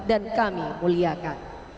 dan kami muliakan